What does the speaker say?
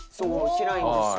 しないんですよ